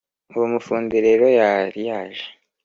Uwo mufundi rero yari aje